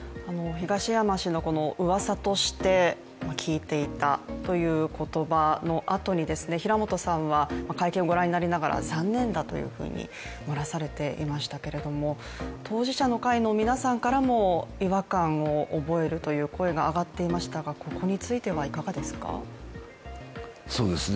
東山氏の、うわさとして聞いていたという言葉のあとに、平本さんは会見をご覧になりながら、残念だとみなされていましたけれども、当事者の会の皆さんからも違和感を覚えるという声が上がっていましたが、ここについてはいかがですか。